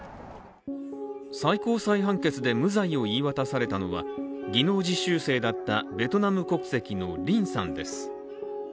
最高裁判決で無罪を言い渡されたのは、技能実習生だったベトナム国籍のリンさんです。